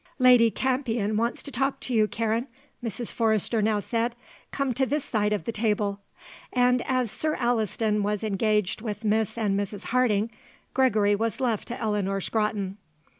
"Lady Campion wants to talk to you, Karen," Mrs. Forrester now said; "come to this side of the table." And as Sir Alliston was engaged with Miss and Mrs. Harding, Gregory was left to Eleanor Scrotton.